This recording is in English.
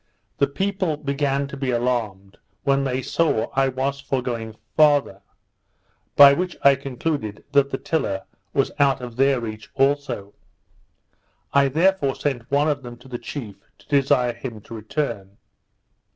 The people began to be alarmed when they saw I was for going farther; by which I concluded that the tiller was out of their reach also. I therefore sent one of them to the chief to desire him to return.